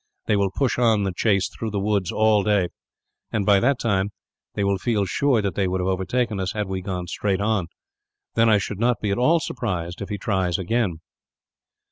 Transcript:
They will push on the chase through the woods all day and, by that time, they will feel sure that they would have overtaken us, had we gone straight on. Then I should not be at all surprised if he tries here, again."